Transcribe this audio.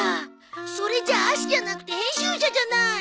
それじゃアシじゃなくて編集者じゃない。